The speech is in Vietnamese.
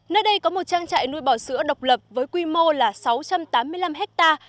nơi đây có một chăn chạy nuôi bò sữa độc lập với quy mô là sáu trăm tám mươi năm hectare